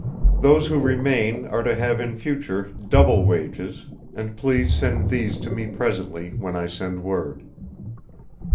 Those who remain are to have in future double wages; and please send these to me presently when I send word."